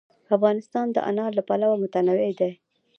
افغانستان د انار له پلوه متنوع دی.